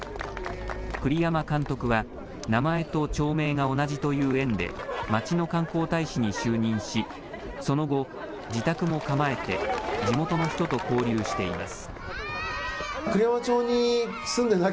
栗山監督は名前と町名が同じという縁で町の観光大使に就任しその後、自宅も構えて地元の人と交流しています。